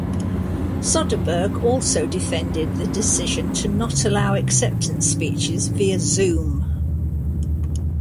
Soderbergh also defended the decision to not allow acceptance speeches via Zoom.